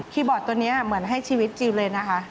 บอร์ดตัวนี้เหมือนให้ชีวิตจิลเลยนะคะ